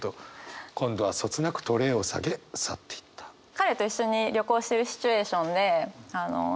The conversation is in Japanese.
彼と一緒に旅行してるシチュエーションでＣＡさんが「ミート？